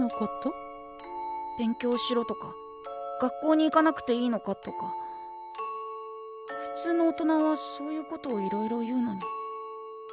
勉強しろとか学校に行かなくていいのかとかふつうの大人はそういうことをいろいろ言うのに。